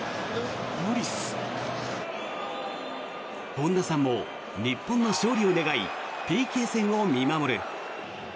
本田さんも日本の勝利を願いＰＫ戦を見守る。